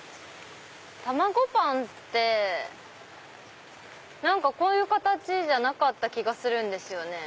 たまごパンってこういう形じゃなかった気がするんですよね。